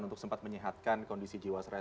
untuk sempat menyehatkan kondisi jiwasraya